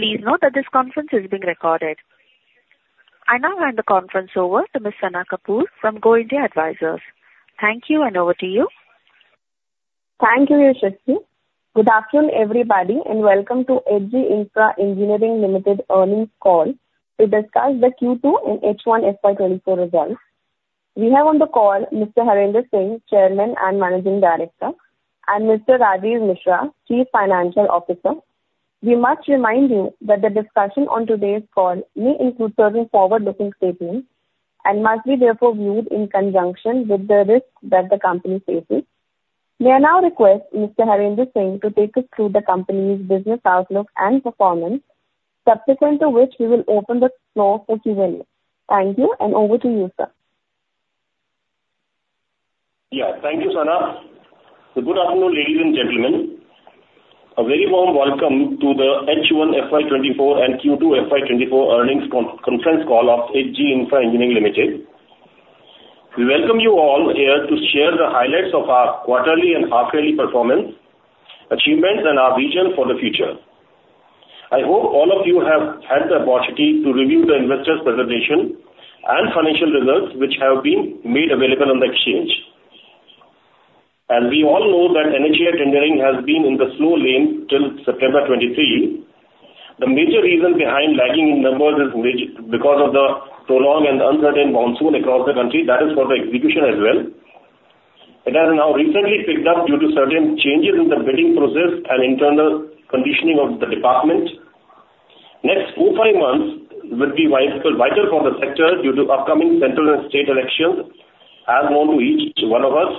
Please note that this conference is being recorded. I now hand the conference over to Miss Sana Kapoor from Go India Advisors. Thank you, and over to you. Thank you, Urshati. Good afternoon, everybody, and welcome to H.G. Infra Engineering Limited earnings call to discuss the Q2 and H1 FY 2024 results. We have on the call Mr. Harendra Singh, Chairman and Managing Director, and Mr. Rajeev Mishra, Chief Financial Officer. We must remind you that the discussion on today's call may include certain forward-looking statements and must be therefore viewed in conjunction with the risks that the company faces. May I now request Mr. Harendra Singh to take us through the company's business outlook and performance, subsequent to which we will open the floor for Q&A. Thank you, and over to you, sir. Yeah. Thank you, Sana. Good afternoon, ladies and gentlemen. A very warm welcome to the H1 FY 2024 and Q2 FY 2024 earnings conference call of H.G. Infra Engineering Limited. We welcome you all here to share the highlights of our quarterly and half yearly performance, achievements, and our vision for the future. I hope all of you have had the opportunity to review the investors' presentation and financial results, which have been made available on the exchange. As we all know that H.G. Infra Engineering has been in the slow lane till September 2023. The major reason behind lagging in numbers is because of the prolonged and uncertain monsoon across the country. That is for the execution as well. It has now recently picked up due to certain changes in the bidding process and internal conditioning of the department. Next 4-5 months will be vital for the sector due to upcoming central and state elections as known to each one of us.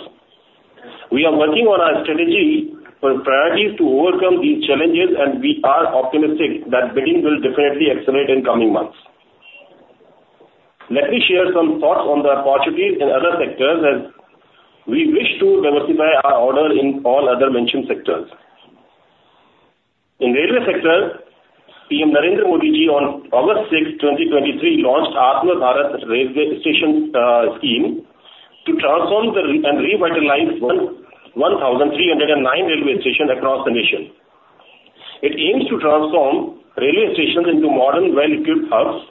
We are working on our strategy for priorities to overcome these challenges, and we are optimistic that bidding will definitely accelerate in coming months. Let me share some thoughts on the opportunities in other sectors, as we wish to diversify our order in all other mentioned sectors. In railway sector, PM Narendra Modi, on August sixth, 2023, launched Atmanirbhar Railway Station Scheme to transform and revitalize 1,309 railway stations across the nation. It aims to transform railway stations into modern, well-equipped hubs.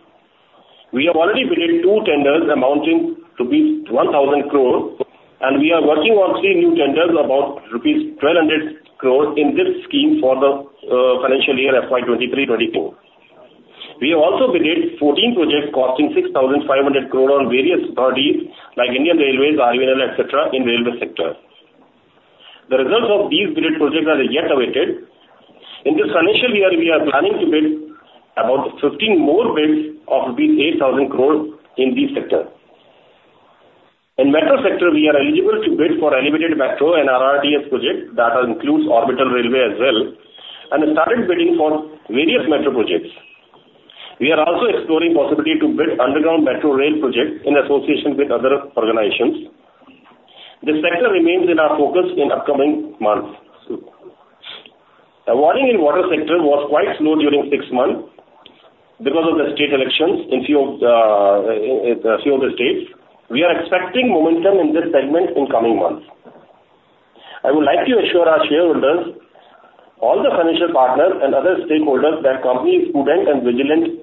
We have already bidded two tenders amounting to 1,000 crore, and we are working on three new tenders, about rupees 1,200 crore in this scheme for the financial year FY 2023-24. We have also bidded 14 projects costing 6,500 crore on various bodies like Indian Railways, IRCON, et cetera, in railway sector. The results of these bidded projects are yet awaited. In this financial year, we are planning to bid about 15 more bids of 8,000 crore in this sector. In metro sector, we are eligible to bid for elevated metro and RRTS project that includes orbital railway as well, and started bidding for various metro projects. We are also exploring possibility to bid underground metro rail project in association with other organizations. This sector remains in our focus in upcoming months. Awarding in water sector was quite slow during six months because of the state elections in a few of the states. We are expecting momentum in this segment in coming months. I would like to assure our shareholders, all the financial partners and other stakeholders, that company is prudent and vigilant to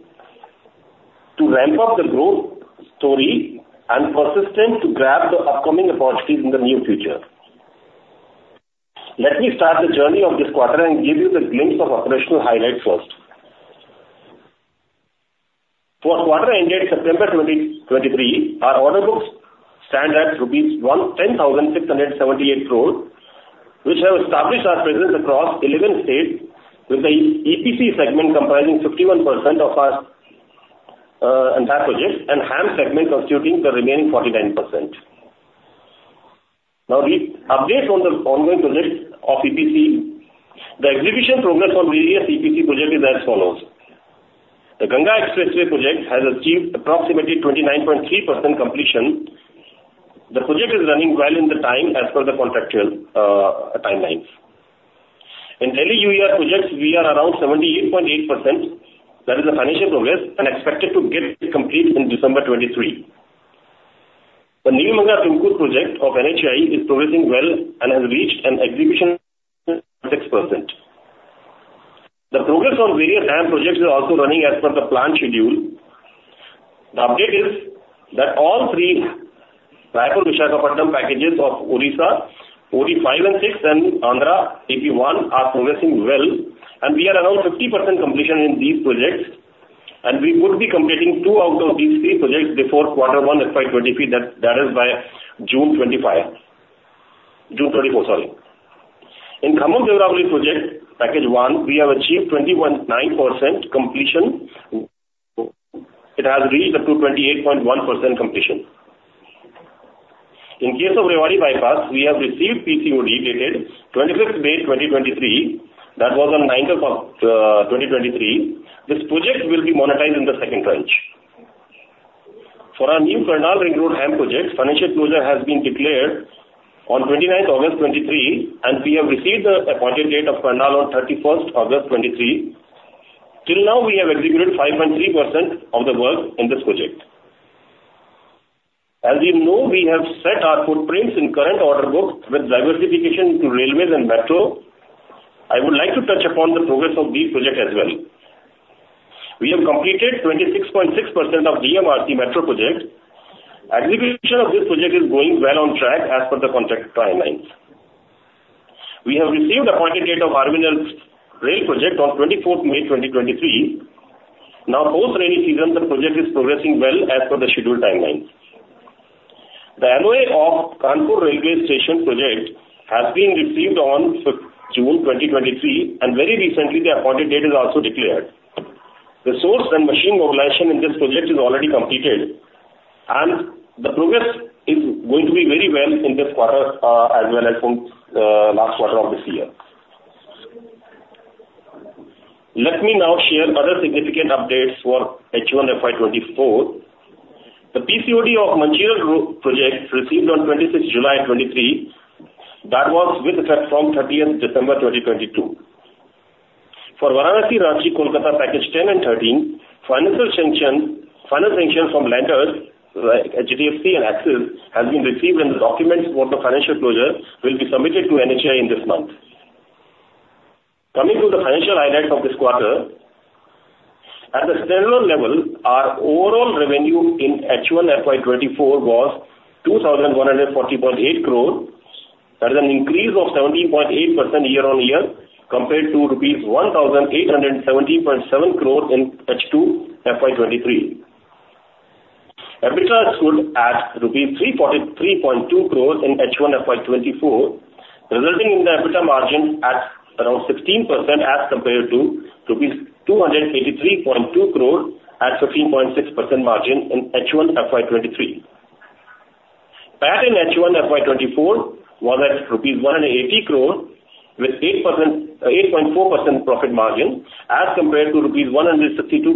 ramp up the growth story and persistent to grab the upcoming opportunities in the near future. Let me start the journey of this quarter and give you the glimpse of operational highlights first. For quarter ended September 2023, our order books stand at rupees 1,10,678 crore, which have established our presence across 11 states, with the EPC segment comprising 51% of our in-hand projects, and HAM segment constituting the remaining 49%. Now, the update on the ongoing projects of EPC. The execution progress on various EPC projects is as follows: The Ganga Expressway project has achieved approximately 29.3% completion. The project is running well in the time as per the contractual timelines. In Delhi UER projects, we are around 78.8%. That is the financial progress and expected to get complete in December 2023. The New Mangalore-Tumkur project of NHAI is progressing well and has reached an execution of 6%. The progress on various HAM projects is also running as per the planned schedule. The update is, that all three Rayagada-Visakhapatnam packages of Odisha, OD five and six, and Andhra AP one, are progressing well, and we are around 50% completion in these projects, and we would be completing two out of these three projects before quarter one FY 2023, that is by June 2025, June 2024, sorry. In Khammam-Devarapalle project package one, we have achieved 21.9% completion. It has reached up to 28.1% completion. In case of Rewari Bypass, we have received PCOD, dated 25th May 2023. That was on 9th of August 2023. This project will be monetized in the second tranche. For our new Kurnool Ring Road HAM project, financial closure has been declared on 29th August 2023, and we have received the appointed date of Kurnool on 31st August 2023. Till now, we have executed 5.3% of the work in this project. As you know, we have set our footprints in current order books with diversification to railways and metro. I would like to touch upon the progress of these projects as well. We have completed 26.6% of DMRC metro project. Execution of this project is going well on track as per the contract timelines. We have received appointed date of Haryana Orbital Rail project on 24th May 2023. Now, post rainy season, the project is progressing well as per the scheduled timelines. The NOA of Kanpur Railway Station project has been received on June 2023, and very recently, the appointed date is also declared. The resources and machinery mobilization in this project is already completed, and the progress is going to be very well in this quarter, as well as from last quarter of this year. Let me now share other significant updates for H1 FY 2024. The PCOD of Mancherial Road project received on 26th July 2023, that was with effect from 30th December 2022. For Varanasi, Ranchi, Kolkata package 10 and 13, financial sanction, final sanction from lenders, HDFC and Axis, has been received, and the documents for the financial closure will be submitted to NHAI in this month. Coming to the financial highlights of this quarter, at the stand-alone level, our overall revenue in H1 FY 2024 was 2,140.8 crores. That is an increase of 17.8% year-on-year, compared to rupees 1,870.7 crores in H1 FY 2023. EBITDA stood at rupees 343.2 crores in H1 FY 2024, resulting in the EBITDA margin at around 16% as compared to rupees 283.2 crores at 13.6% margin in H1 FY 2023. PAT in H1 FY 2024 was at rupees 180 crores, with 8.4% profit margin, as compared to rupees 162.3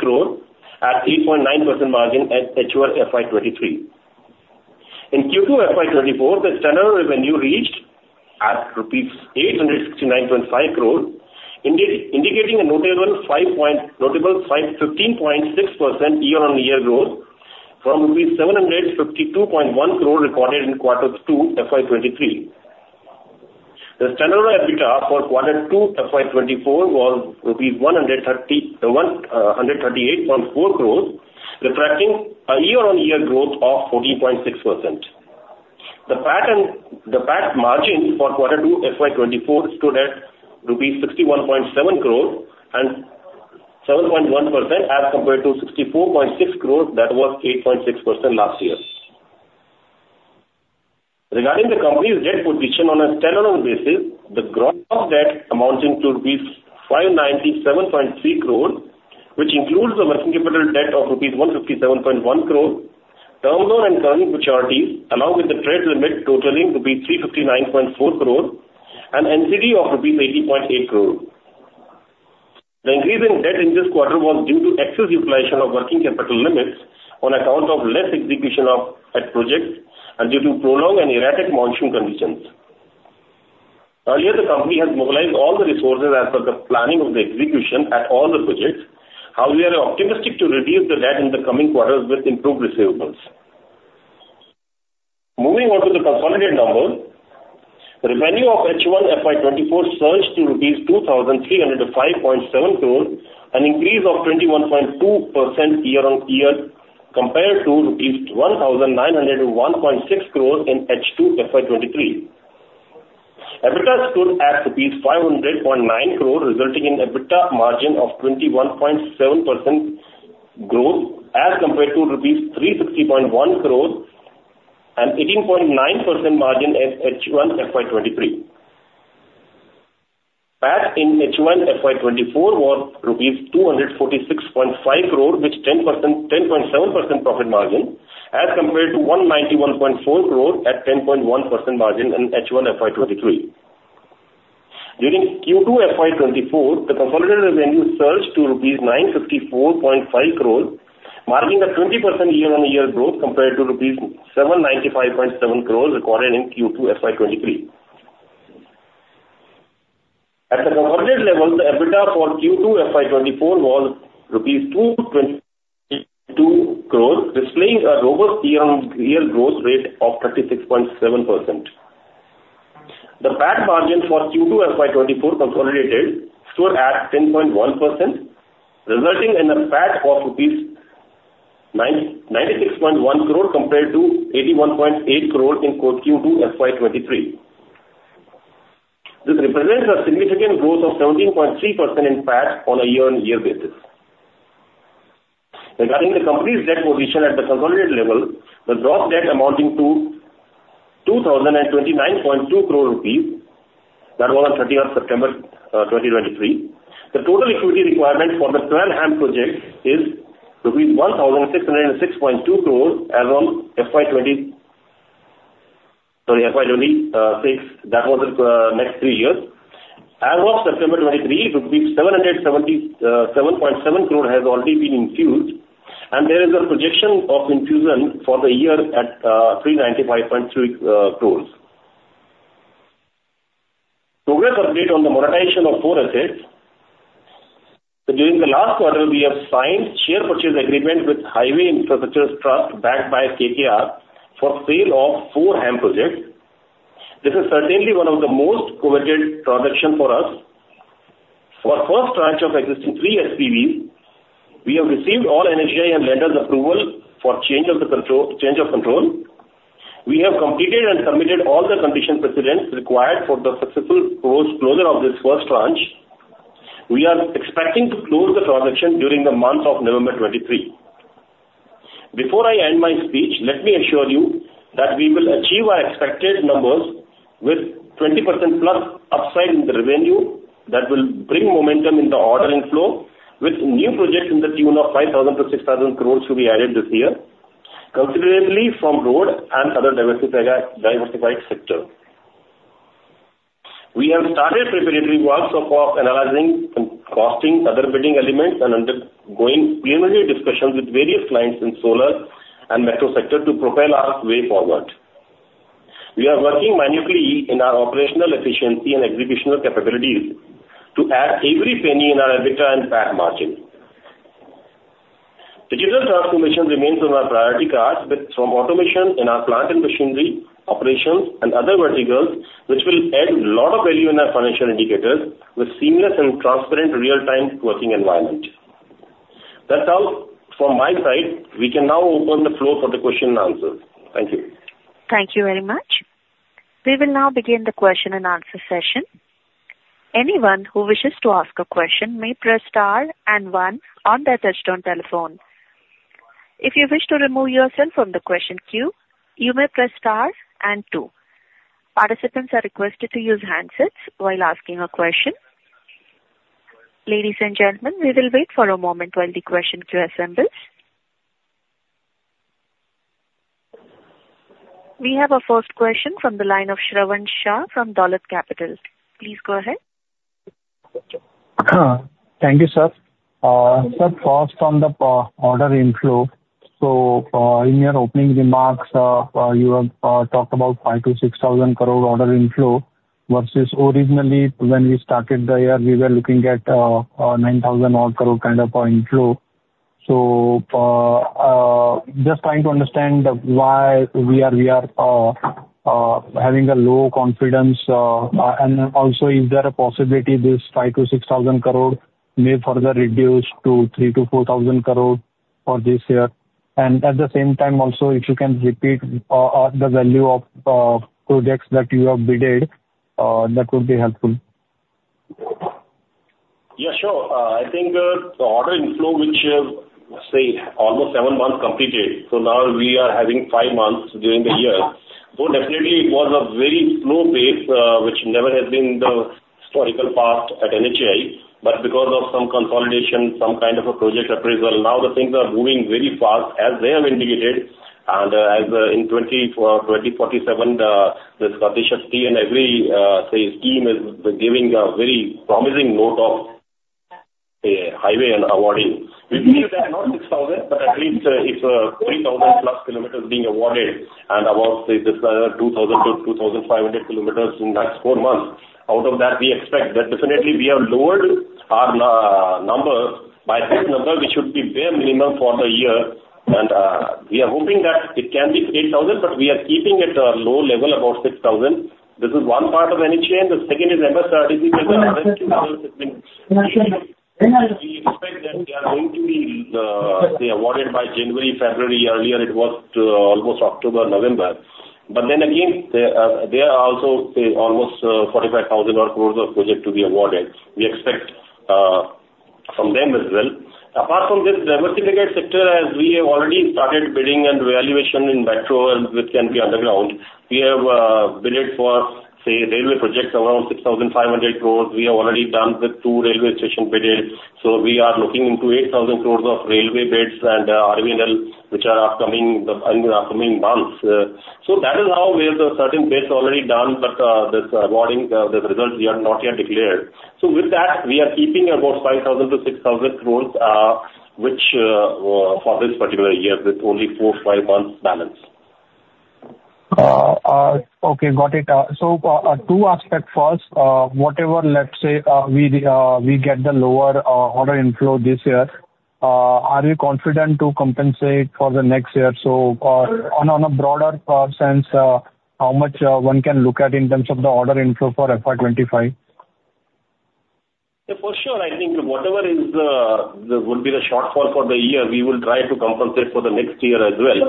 crores at 8.9% margin at H1 FY 2023. In Q2 FY 2024, the standard revenue reached at rupees 869.5 crores, indicating a notable 15.6% year-on-year growth from rupees 752.1 crores recorded in quarter two, FY 2023. The standard EBITDA for quarter two FY 2024 was rupees 138.4 crores, reflecting a year-on-year growth of 14.6%. The PAT and, the PAT margin for quarter two, FY 2024, stood at rupees 61.7 crore and 7.1%, as compared to 64.6 crore, that was 8.6% last year. Regarding the company's debt position on a stand-alone basis, the gross debt amounting to rupees 597.3 crore, which includes the working capital debt of rupees 157.1 crore, term loan and current maturities, along with the credit limit totaling rupees 359.4 crore and NCD of rupees 80.8 crore. The increase in debt in this quarter was due to excess utilization of working capital limits on account of less execution of that project and due to prolonged and erratic monsoon conditions. Earlier, the company has mobilized all the resources as per the planning of the execution at all the projects. How we are optimistic to reduce the debt in the coming quarters with improved receivables. Moving on to the consolidated numbers, the revenue of H1 FY 2024 surged to INR 2,305.7 crores, an increase of 21.2% year-on-year, compared to INR 1,901.6 crores in H2 FY 2023. EBITDA stood at INR 500.9 crores, resulting in EBITDA margin of 21.7% growth, as compared to rupees 360.1 crores and 18.9% margin at H1 FY 2023. PAT in H1 FY 2024 was INR 246.5 crores, with 10%-10.7% profit margin, as compared to 191.4 crores at 10.1% margin in H1 FY 2023. During Q2 FY 2024, the consolidated revenue surged to rupees 954.5 crore, marking a 20% year-on-year growth compared to rupees 795.7 crore recorded in Q2 FY 2023. At the consolidated level, the EBITDA for Q2 FY 2024 was INR 222 crore, displaying a robust year-on-year growth rate of 36.7%. The PAT margin for Q2 FY 2024 consolidated stood at 10.1%, resulting in a PAT of INR 99.6 crore compared to 81.8 crore in Q2 FY 2023. This represents a significant growth of 17.3% in PAT on a year-on-year basis. Regarding the company's debt position at the consolidated level, the gross debt amounting to 2,029.2 crore rupees, that was on 30th September 2023. The total equity requirement for the entire HAM project is rupees 1,606.2 crore as of FY 2026, that was it, next three years. As of September 2023, 777.7 crore has already been infused, and there is a projection of infusion for the year at 395.3 crore. Update on the monetization of four assets. During the last quarter, we have signed share purchase agreement with Highways Infrastructure Trust, backed by KKR, for sale of four HAM projects. This is certainly one of the most coveted transaction for us. For first tranche of existing three SPVs, we have received all NHAI and lenders' approval for change of the control, change of control. We have completed and submitted all the conditions precedent required for the successful close, closure of this first tranche. We are expecting to close the transaction during the month of November 2023. Before I end my speech, let me assure you that we will achieve our expected numbers with 20%+ upside in the revenue that will bring momentum in the order inflow, with new projects in the tune of 5,000-6,000 crore to be added this year, considerably from road and other diversified sectors. We have started preparatory works of analyzing and costing other bidding elements and undergoing preliminary discussions with various clients in solar and metro sector to propel our way forward. We are working manually in our operational efficiency and executional capabilities to add every penny in our EBITDA and PAT margin. Digital transformation remains on our priority cards with, from automation in our plant and machinery, operations, and other verticals, which will add a lot of value in our financial indicators with seamless and transparent real-time working environment. That's all from my side. We can now open the floor for the question and answers. Thank you. Thank you very much. We will now begin the question and answer session. Anyone who wishes to ask a question may press star and one on their touch-tone telephone. If you wish to remove yourself from the question queue, you may press star and two. Participants are requested to use handsets while asking a question. Ladies and gentlemen, we will wait for a moment while the question queue assembles. We have our first question from the line of Shravan Shah from Dolat Capital. Please go ahead. Thank you, sir. So first on the order inflow. So, in your opening remarks, you have talked about 5,000 crore-6,000 crore order inflow versus originally when we started the year, we were looking at 9,000 crore odd kind of inflow. So, just trying to understand why we are having a low confidence, and also is there a possibility this 5,000 crore-6,000 crore may further reduce to 3,000 crore-4,000 crore for this year? And at the same time also, if you can repeat the value of projects that you have bid, that would be helpful. Yeah, sure. I think the order inflow, which say, almost 7 months completed, so now we are having 5 months during the year. So definitely it was a very slow pace, which never has been the historical past at NHAI, but because of some consolidation, some kind of a project appraisal, now the things are moving very fast, as well indicated, and as in 2024, 2047, this Gati Shakti and every say, scheme is giving a very promising note of a highway and awarding. We feel that not 6,000, but at least it's 3,000+ kilometers being awarded and about, say, this 2,000-2,500 kilometers in that 4 months. Out of that, we expect that definitely we have lowered our numbers. By this number, we should be bare minimum for the year, and we are hoping that it can be 8,000, but we are keeping it at a low level, about 6,000. This is one part of NHAI. The second is MSRDC, which has been—we expect that they are going to be awarded by January, February. Earlier, it was almost October, November. There are also, say, almost 45,000 crore of projects to be awarded. We expect from them as well. Apart from this diversified sector, as we have already started bidding and revaluation in metro, which can be underground, we have bidded for, say, railway projects, around 6,500 crore. We have already done with two railway station bids, so we are looking into 8,000 crore of railway bids and RVNL, which are upcoming in the upcoming months. So that is how we have a certain base already done, but this awarding the results we have not yet declared. So with that, we are keeping about 5,000-6,000 crore, which for this particular year, with only 4-5 months balance. Okay, got it. So, two aspects. First, whatever, let's say, we get the lower order inflow this year, are you confident to compensate for the next year? So, on a broader sense, how much one can look at in terms of the order inflow for FY 25? Yeah, for sure. I think whatever is the, will be the shortfall for the year, we will try to compensate for the next year as well,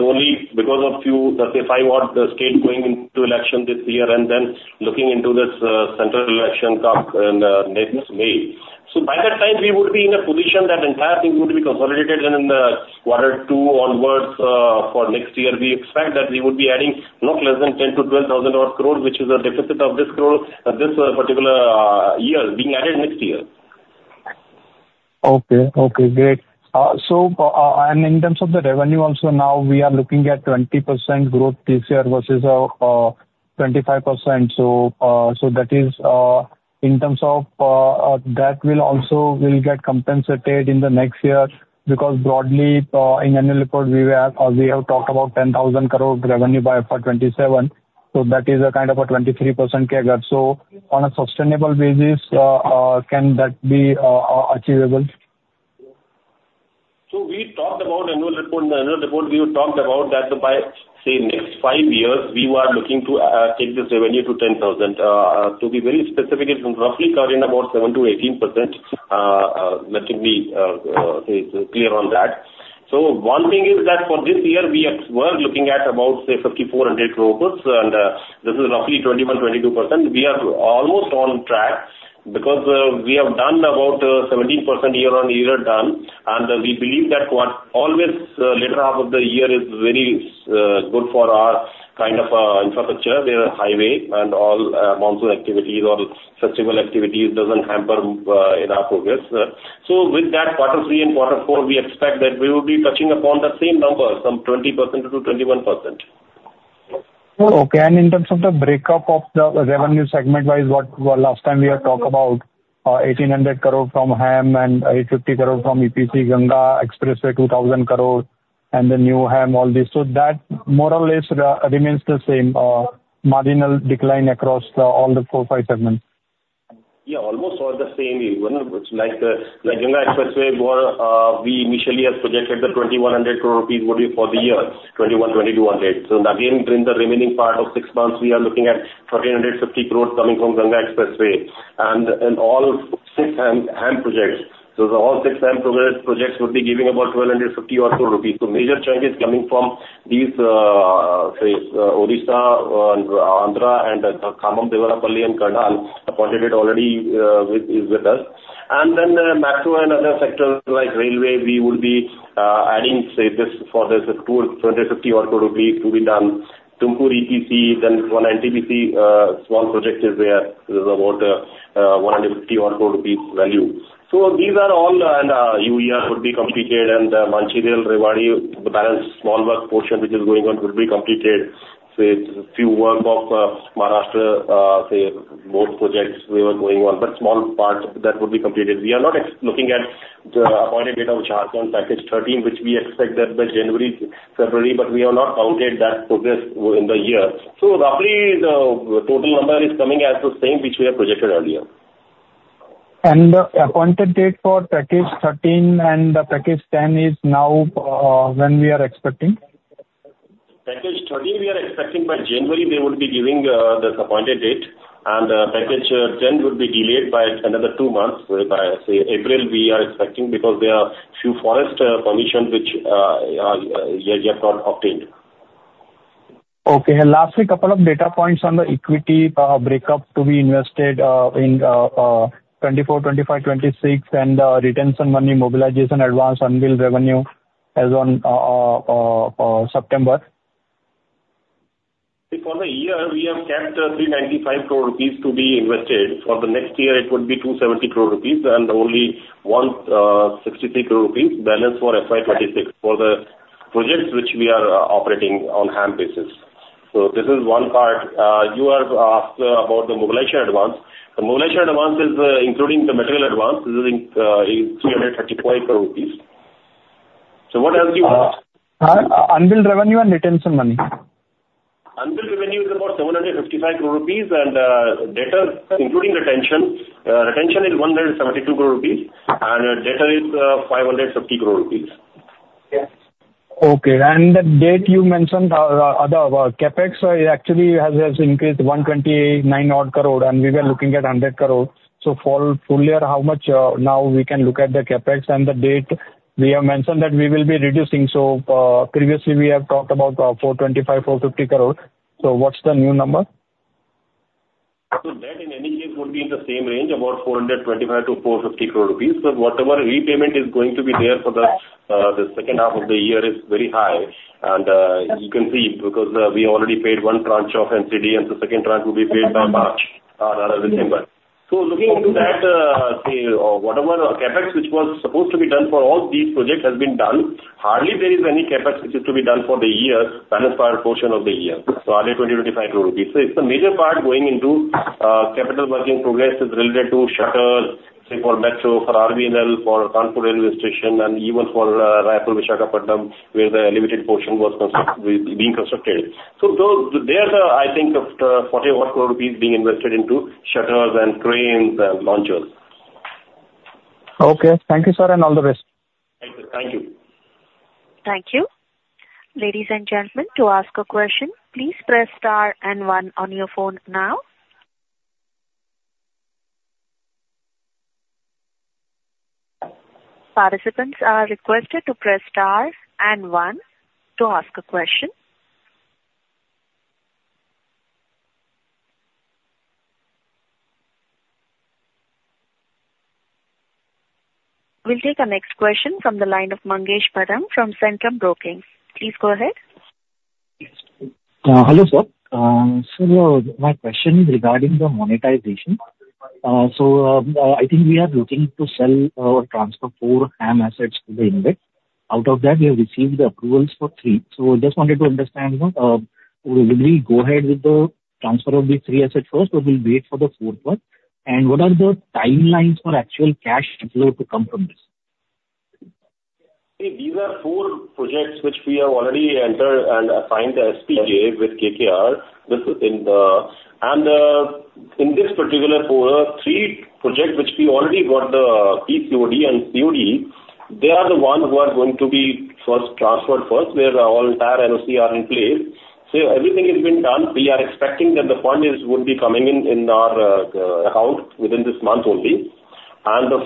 only because of few, let's say, five odd states going into election this year and then looking into this central election come in next May. By that time, we would be in a position that entire thing would be consolidated, and in the quarter two onwards for next year, we expect that we would be adding not less than 10,000-12,000 crore, which is a deficit of this crore, this particular year, being added next year. Okay. Okay, great. So, and in terms of the revenue also, now we are looking at 20% growth this year versus 25%. So, so that is, in terms of, that will also will get compensated in the next year, because broadly, in annual report, we have, we have talked about 10,000 crore revenue by FY 2027, so that is a kind of a 23% kind gap. So on a sustainable basis, can that be achievable? We talked about annual report. In the annual report, we talked about that by, say, next five years, we are looking to take this revenue to 10,000. To be very specific, it's roughly carrying about 7%-18%, let me say, clear on that. One thing is that for this year, we were looking at about, say, 5,400 crore, and this is roughly 21%-22%. We are almost on track because we have done about 17% year-on-year done, and we believe that what always, latter half of the year is very good for our kind of infrastructure. There are highway and all, monsoon activities or festival activities doesn't hamper in our progress. So, with that quarter three and quarter four, we expect that we will be touching upon the same number, some 20%-21%. Okay. In terms of the breakup of the revenue segment-wise, what last time we had talked about, 1,800 crore from HAM and 50 crore from EPC, Ganga Expressway, 2,000 crore, and the new HAM, all this. So that more or less remains the same, marginal decline across all the four, five segments? Yeah, almost all the same, even it's like the, like Ganga Expressway, where we initially had projected the 2,100 crore rupees would be for the year, 2021, 2,200. Again, in the remaining part of six months, we are looking at 1,450 crore coming from Ganga Expressway and all six HAM projects. The all six HAM projects would be giving about 1,250 crore or so. Major change is coming from these, say, Odisha, Andhra, and Khammam Devarapalle and Kurnool, appointed already, is with us. Then, metro and other sectors like railway, we would be adding, say, this for this 250 crore or so to be done. Tumkur EPC, then one NTPC, small project is there, is about 150 or so value. These are all, and UER would be completed, and Mancherial, Rewari, the balance small work portion which is going on will be completed. It's a few work of Maharashtra, say, both projects we were going on, but small parts that would be completed. We are not looking at the appointed date of Jharsuguda package 13, which we expect that by January, February, but we have not counted that progress in the year. Roughly, the total number is coming as the same, which we had projected earlier. The Appointed Date for Package 13 and Package 10 is now, when we are expecting? Package 13, we are expecting by January they would be giving this Appointed Date, and Package 10 would be delayed by another two months, whereby, say, April, we are expecting, because there are few forest permissions which are yet not obtained. Okay. Lastly, couple of data points on the equity breakup to be invested in 2024, 2025, 2026, and retention money, mobilization advance, unbilled revenue as on September. See, for the year, we have kept 395 crore rupees to be invested. For the year the next year, it would be 270 crore rupees and only 163 crore rupees balance for FY 2026 for the projects which we are operating on HAM basis. So this is one part. You have asked about the mobilization advance. The mobilization advance is, including the material advance, this is 335 crore rupees. So what else you asked? Unbilled revenue and retention money. Unbilled revenue is about 755 crore rupees, and net debt including retention, retention is 172 crore rupees, and net debt is 550 crore rupees. Yeah. Okay. And the date you mentioned, the CapEx actually has, has increased 129 odd crore, and we were looking at 100 crore. So for full year, how much now we can look at the CapEx and the date? We have mentioned that we will be reducing. So, previously we have talked about 425 crore-450 crore. So what's the new number? So that in any case would be in the same range, about 425-450 crore rupees, but whatever repayment is going to be there for the second half of the year is very high. You can see, because we already paid one tranche of NCD, and the second tranche will be paid by March, rather December. So looking to that, say, or whatever CapEx, which was supposed to be done for all these projects has been done. Hardly there is any CapEx which is to be done for the year, balance part portion of the year, so under 20-25 crore rupees. It's the major part going into capital working progress is related to shutters, say, for metro, for RVNL, for Kanpur railway station, and even for Raipur-Visakhapatnam, where the elevated portion was being constructed. Those, there's, I think, of forty odd crore rupees being invested into shutters and cranes and launchers. Okay. Thank you, sir, and all the best. Thank you. Thank you. Thank you. Ladies and gentlemen, to ask a question, please press star and one on your phone now. Participants are requested to press star and one to ask a question. We'll take our next question from the line of Mangesh Bhadang from Centrum Broking. Please go ahead. Hello, sir. My question is regarding the monetization. I think we are looking to sell or transfer four HAM assets to the InvIT. Out of that, we have received the approvals for three. Just wanted to understand, will we go ahead with the transfer of these three assets first, or we'll wait for the fourth one? And what are the timelines for actual cash flow to come from this? See, these are four projects which we have already entered and signed the SPA with KKR. In this particular quarter, three projects which we already got the PCOD and COD, they are the ones who are going to be first, transferred first, where all entire NOC are in place. So everything has been done. We are expecting that the fund is, would be coming in, in our account within this month only. And the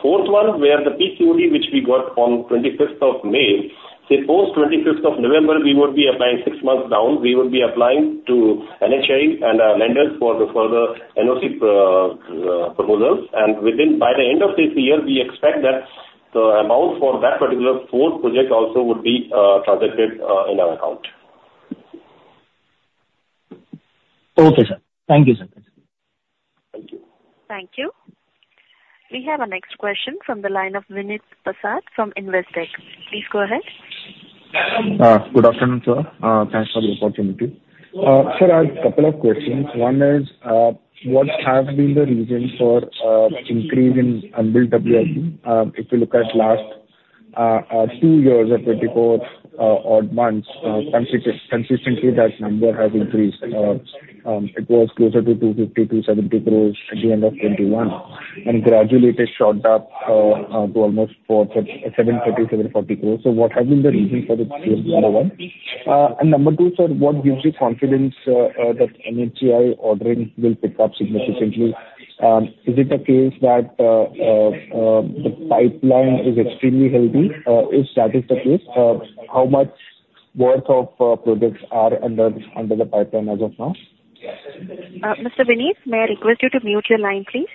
fourth one, where the PCOD, which we got on 25th of May, say post 25th of November, we would be applying six months down, we would be applying to NHAI and our lenders for the further NOC proposals, and within, by the end of this year, we expect that the amount for that particular fourth project also would be credited in our account. Okay, sir. Thank you, sir. Thank you. Thank you. We have our next question from the line of Vinit Prasad from Investec. Please go ahead. Good afternoon, sir. Thanks for the opportunity. Sir, I have a couple of questions. One is, what have been the reason for increase in unbilled WIP? If you look at last two years or 24 odd months, consistently, that number has increased. It was closer to 250-270 crore at the end of 2021, and gradually it has shot up to almost 740-750 crore. What has been the reason for this increase, number one? Number two, sir, what gives you confidence that NHAI ordering will pick up significantly? Is it a case that the pipeline is extremely healthy? If that is the case, how much worth of projects are under the pipeline as of now? Mr. Vinit, may I request you to mute your line, please?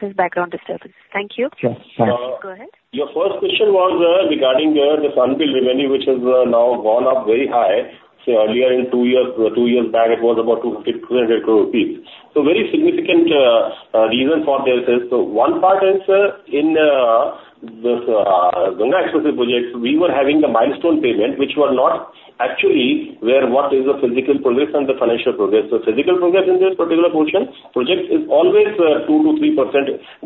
There's background disturbance. Thank you. Sure, sure. Go ahead. Your first question was regarding this unbilled revenue, which has now gone up very high. Earlier, two years back, it was about 200 crore rupees. A very significant reason for this is, one part answer in this Ganga Expressway projects, we were having the milestone payment, which were not actually where what is the physical progress and the financial progress. The physical progress in this particular portion, projects is always 2%-3%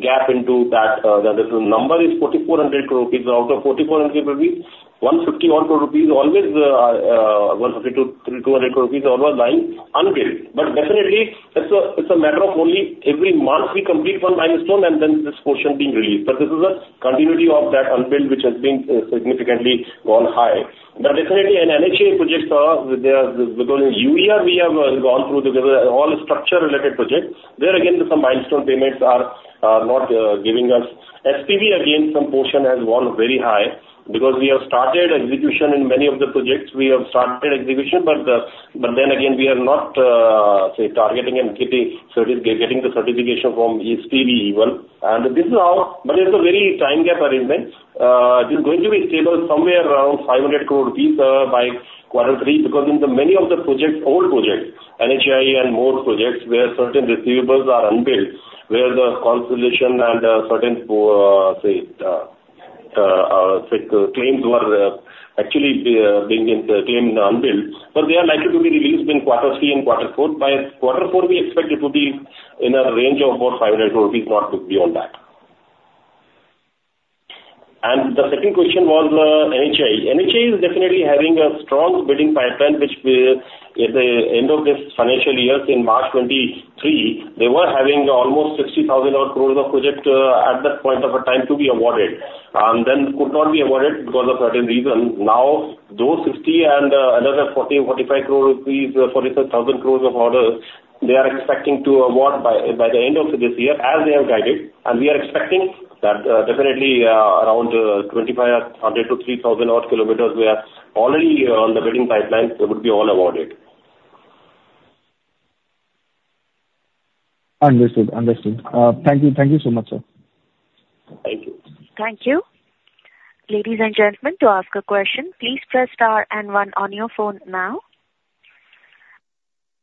gap into that. The number is 4,400 crore rupees. Out of 4,400 crore rupees, 151 crore rupees always, 150-200 crore rupees are always lying unbilled. Definitely, it's a matter of only every month we complete one milestone, and then this portion being released. But this is a continuity of that unbilled, which has been significantly gone high. Now, definitely in NHAI projects, there, because in UER we have gone through the all structure-related projects, there again, some milestone payments are not giving us. SPV, again, some portion has gone very high because we have started execution in many of the projects. We have started execution, but then again, we are not say, targeting and getting certification from SPV even. And this is our... But it's a very time-gap arrangement. It is going to be stable somewhere around 500 crore rupees, by quarter three, because in the many of the projects, old projects, NHAI and more projects, where certain receivables are unbilled, where the consolidation and, certain, say, like, claims were, actually, being entertained unbilled, but they are likely to be released in quarter three and quarter four. By quarter four, we expect it to be in a range of about 500 rupees, not beyond that. And the second question was, NHAI. NHAI is definitely having a strong bidding pipeline, which we, at the end of this financial year, in March 2023, they were having almost 60,000-odd crores of project, at that point of a time to be awarded, then could not be awarded because of certain reason. Now, those 60 and another 40-45 crore rupees, 45,000 crore of orders, they are expecting to award by the end of this year, as they have guided. And we are expecting that, definitely, around 2,500 to 3,000 odd kilometers, we are already on the bidding pipeline. They would be all awarded. Understood, understood. Thank you. Thank you so much, sir. Thank you. Thank you. Ladies and gentlemen, to ask a question, please press star and one on your phone now.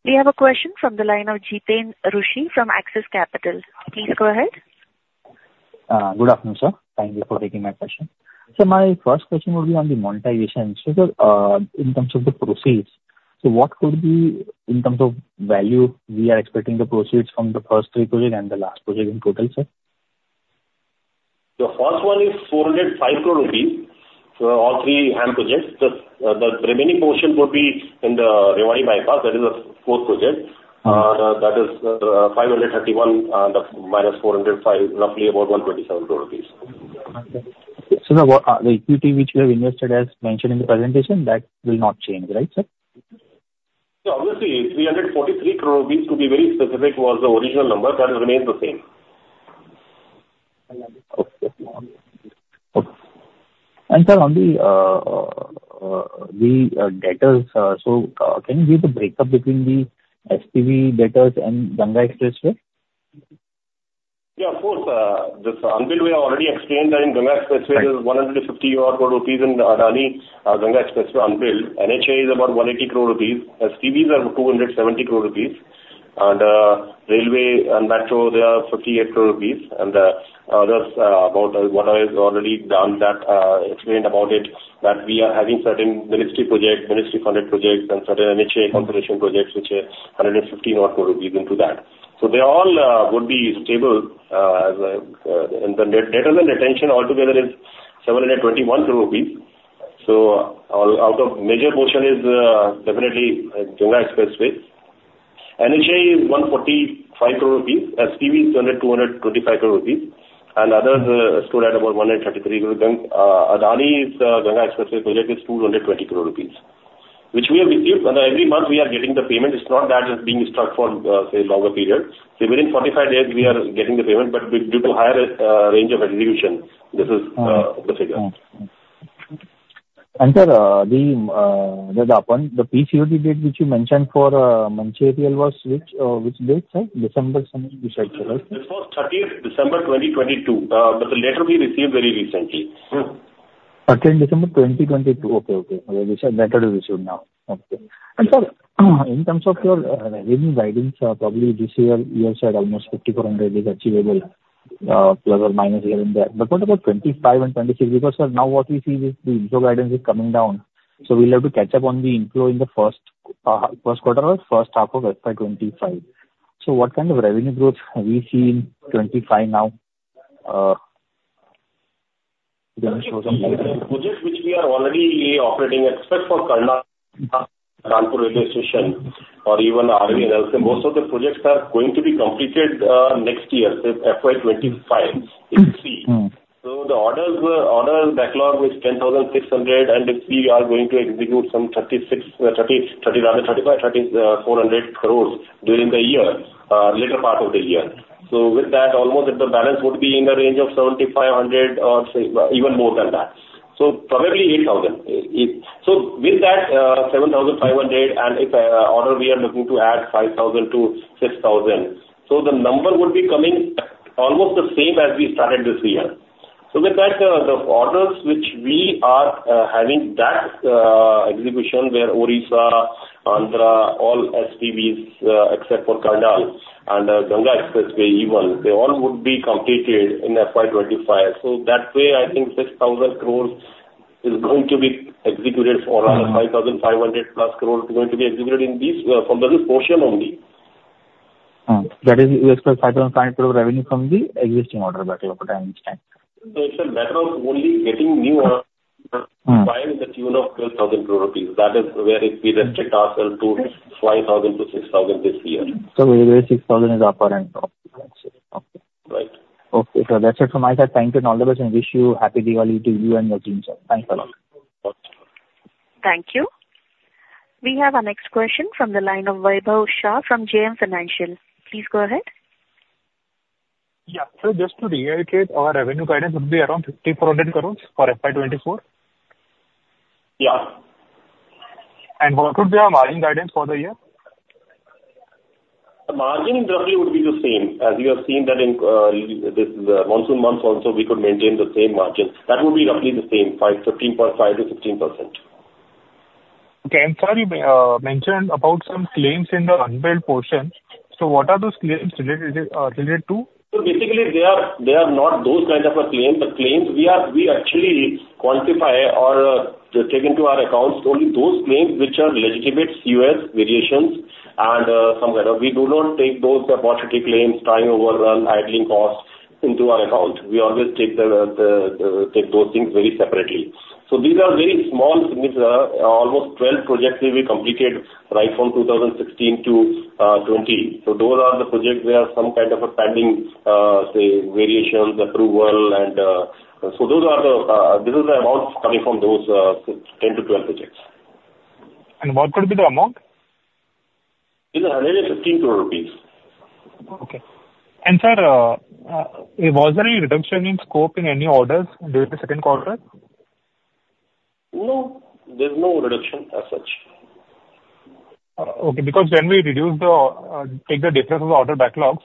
We have a question from the line of Jiten Rushi from Axis Capital. Please go ahead. Good afternoon, sir. Thank you for taking my question. So my first question would be on the monetization. So, in terms of the proceeds, so what could be, in terms of value, we are expecting the proceeds from the first three project and the last project in total, sir? The first one is 405 crore rupees, all three HAM projects. The remaining portion would be in the Rewari Bypass, that is the fourth project. Mm-hmm. That is, 531 minus 405, roughly about 127 crore rupees. Okay. So the equity which you have invested, as mentioned in the presentation, that will not change, right, sir? Obviously, 343 crore rupees, to be very specific, was the original number. That remains the same. I understand. Okay. And sir, on the debtors, so, can you give the breakup between the SPV debtors and Ganga Expressway? Yeah, of course. This unbilled, we have already explained that in Ganga Expressway- Right. There is 150 crore rupees in Adani Ganga Expressway unbilled. NHAI is about 180 crore rupees. SPVs are 270 crore rupees. Railway and metro, they are 58 crore rupees. Others, about what I have already done, that explained about it, that we are having certain ministry projects, ministry-funded projects, and certain NHAI consolidation projects which are 150 crore rupees into that. They all would be stable. The net present attention altogether is 721 crore rupees. Out of major portion is definitely Ganga Expressway. NHAI is 145 crore rupees, SPV is under 225 crore rupees, and others stood at about 133 crore. Adani's Ganga Expressway project is 220 crore rupees, which we have received. Every month we are getting the payment. It's not that it's being stuck for, say, longer period. So within 45 days, we are getting the payment, but due, due to higher range of execution, this is the figure. Mm. Mm. Sir, the Red Upon, the PCOD date which you mentioned for Mancherial was which date, sir? December something, you said, correct? It was 30th December 2022, but the letter we received very recently. Thirtieth December 2022. Okay. Okay. This letter is issued now. Okay. Sir, in terms of your revenue guidance, probably this year, you have said almost 5,400 is achievable, plus or minus here and there. What about 2025 and 2026? Because sir, now what we see is the inflow guidance is coming down, so we'll have to catch up on the inflow in the first quarter or first half of FY 2025. What kind of revenue growth have we seen in '25 now, in the short term? Projects which we are already operating, except for Karnal, Kanpur railway station or even RVNL, most of the projects are going to be completed, next year, say FY 25. Mm, mm. The order backlog is 10,600 crore, and if we are going to execute some 3,600 crore during the year, later part of the year. So with that, almost the balance would be in the range of 7,500 crore or say, even more than that. So probably 8,000 crore. So with that, 7,500 crore, and if order we are looking to add 5,000 crore-6,000 crore. So the number would be coming almost the same as we started this year. So with that, the orders which we are having that execution where Odisha, Andhra, all SPVs, except for Karnal and Ganga Expressway even, they all would be completed in FY 2025. So that way, I think 6,000 crore is going to be executed or rather 5,500+ crore is going to be executed in this, from this portion only. That is, you expect 5,005 crore revenue from the existing order backlog at this time? It's a backlog only getting new orders- Mm. -while to the tune of 12,000 crore rupees. That is where we restrict ourselves to 5,000-6,000 crore this year. Where 6,000 is upper end. Okay. Right. Okay, sir. That's it from my side. Thank you and all the best, and wish you happy Diwali to you and your team, sir. Thanks a lot. Okay. Thank you. We have our next question from the line of Vaibhav Shah from JM Financial. Please go ahead. Yeah. Just to reiterate, our revenue guidance would be around 5,400 crore for FY 2024? Yeah. What would be our margin guidance for the year? The margin roughly would be the same. As you have seen that in this monsoon months also, we could maintain the same margin. That would be roughly the same, 15.5%-16%. Okay. And, sir, you mentioned about some claims in the unbilled portion. So what are those claims related to? So basically, they are not those kind of a claim, but claims we actually quantify or take into our accounts only those claims which are legitimate, CS, variations, and some other. We do not take those arbitrary claims, time overrun, idling costs into our account. We always take those things very separately. So these are very small things. Almost 12 projects we completed right from 2016 to 2020. So those are the projects where some kind of a pending, say, variations, approval and. So those are the, this is the amounts coming from those, 10 to 12 projects. What would be the amount? It's 115 crore rupees. Okay. Sir, was there any reduction in scope in any orders during the second quarter? No, there's no reduction as such. Okay, because when we reduce the, take the difference of the order backlogs,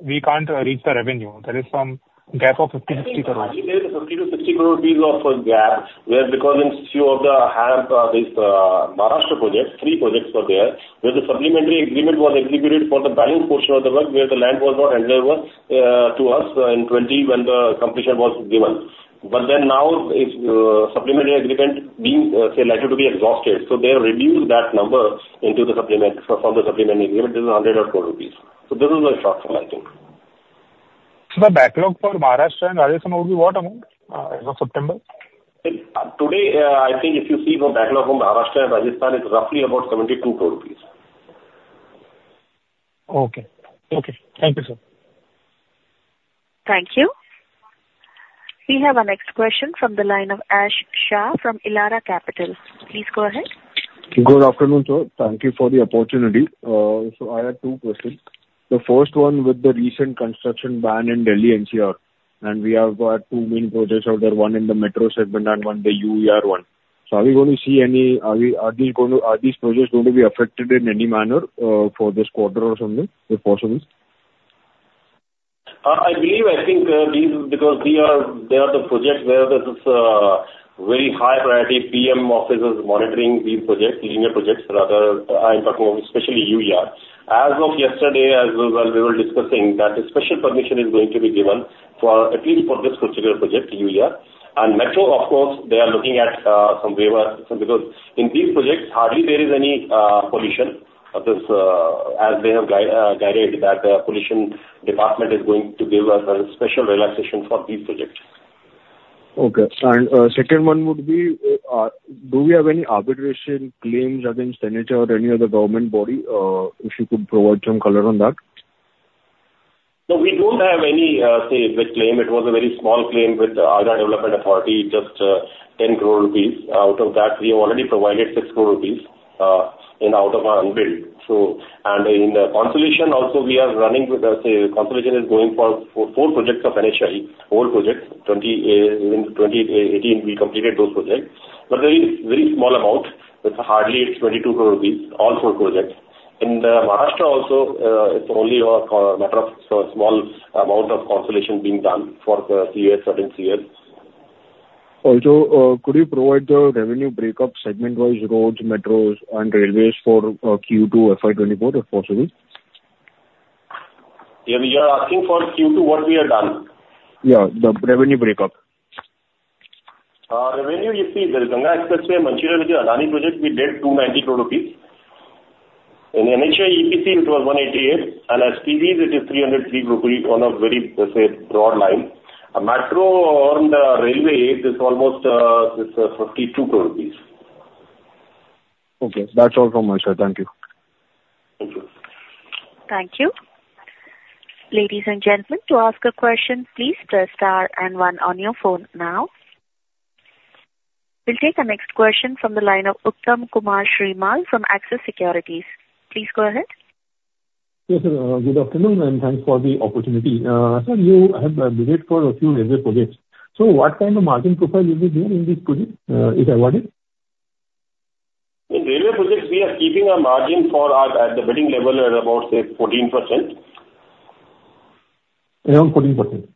we can't reach the revenue. There is some gap of INR 50-50 crore. I think there's INR 50-60 crore of a gap, where because in few of the HAM, this Maharashtra projects, three projects were there, where the supplementary agreement was executed for the balance portion of the work, where the land was not available to us in 2020, when the completion was given. Now, it's supplementary agreement being, say, likely to be exhausted. They reduced that number into the supplement, from the supplementary agreement, it is INR 104 crore. This is the exhaustion, I think. The backlog for Maharashtra and Rajasthan would be what amount as of September? Today, I think if you see the backlog from Maharashtra and Rajasthan, it's roughly about 72 crore rupees. Okay. Okay. Thank you, sir. Thank you. We have our next question from the line of Ash Shah from Elara Capital. Please go ahead. Good afternoon, sir. Thank you for the opportunity. So I have two questions. The first one, with the recent construction ban in Delhi NCR, and we have two main projects out there, one in the metro segment and one, the UER one. So are we going to see any... Are these projects going to be affected in any manner for this quarter or something, the portions? I believe, I think, these, because we are, they are the projects where there's this, very high priority PM office is monitoring these projects, linear projects rather, I'm talking about especially UER. As of yesterday, as we, we were discussing, that a special permission is going to be given for, at least for this particular project, UER. And metro, of course, they are looking at, some waiver because in these projects, hardly there is any, pollution. Because, as they have guided that the pollution department is going to give us a special relaxation for these projects. Okay. And, second one would be, do we have any arbitration claims against NHAI or any other government body? If you could provide some color on that. No, we don't have any, say, big claim. It was a very small claim with the NHAI, just 10 crore rupees. Out of that, we have already provided 6 crore rupees in out of our unbilled. So, and in the conciliation also, we are running with the, say, conciliation is going for four projects of NHAI, old projects, 20 in 2018, we completed those projects. But very, very small amount, with hardly 22 crore rupees, all four projects. In the Maharashtra also, it's only a matter of small amount of conciliation being done for, three years, certain years. Also, could you provide the revenue breakup segment-wise, roads, metros, and railways for Q2 FY 2024, if possible? Yeah. You are asking for Q2, what we have done? Yeah, the revenue breakup. Revenue, you see, there is Ganga Expressway, Mancherial, which is Adani project, we did 290 crore rupees. In NHAI, EPC, it was 188, and SPVs it is 303 rupees on a very, let's say, broad line. Metro and railway is almost is 52 crore rupees. Okay, that's all from my side. Thank you. Thank you. Thank you. Ladies and gentlemen, to ask a question, please press star and one on your phone now. We'll take the next question from the line of Uttam Kumar Srimal from Axis Securities. Please go ahead. Yes, sir, good afternoon, and thanks for the opportunity. Sir, you have bid for a few railway projects. So what kind of margin profile will be there in this project, if awarded? In railway projects, we are keeping a margin for our, at the bidding level, at about, say, 14%. Around 14%?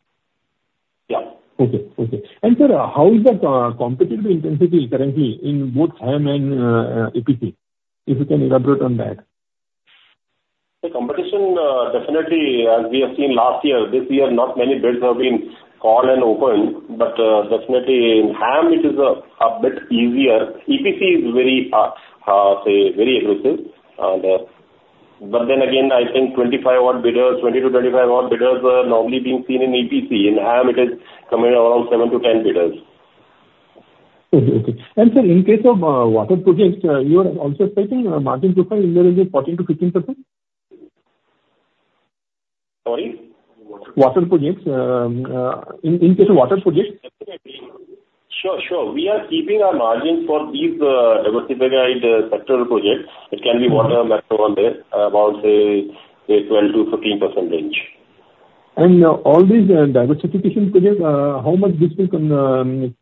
Yeah. Okay. Okay. Sir, how is the competitive intensity currently in both HAM and EPC? If you can elaborate on that. The competition, definitely, as we have seen last year, this year, not many bids have been called and opened, but, definitely in HAM, it is a bit easier. EPC is very hard, say, very aggressive, and, but then again, I think 25 odd bidders, 20-25 odd bidders are normally being seen in EPC. In HAM, it is coming around 7-10 bidders. Okay. Okay. And sir, in case of water projects, you are also expecting a margin profile in the range of 14%-15%? Sorry? Water projects. In case of water projects. Sure, sure. We are keeping our margin for these, diversified sectoral projects, it can be water, metro, on there, about, say, a 12%-15% range. And all these diversification projects, how much this will